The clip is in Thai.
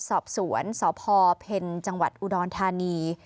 สอบสวนสพเพ็ญจังหวัดอุดรธานี